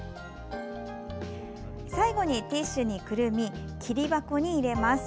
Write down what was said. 最後にティッシュにくるみ桐箱に入れます。